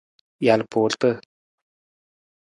Jalpuurata.